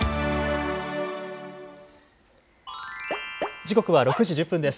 時刻は６時１０分です。